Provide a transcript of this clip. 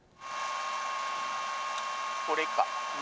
これか？